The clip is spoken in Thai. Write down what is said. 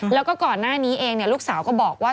แล้วก็ก่อนหน้านี้เองลูกสาวก็บอกว่า